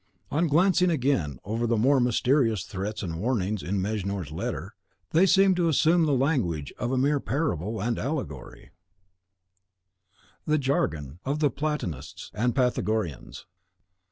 On glancing again over the more mysterious threats and warnings in Mejnour's letter, they seemed to assume the language of mere parable and allegory, the jargon of the Platonists and Pythagoreans.